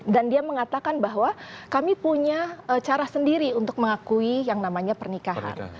dan dia mengatakan bahwa kami punya cara sendiri untuk mengakui yang namanya pernikahan